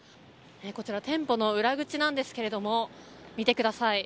こちら、店舗の裏口なんですけれども見てください。